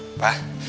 eh ma pa